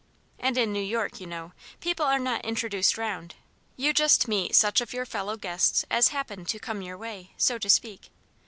And in New York, you know, people are not 'introduced round'; you just meet such of your fellow guests as happen to 'come your way,' so to speak.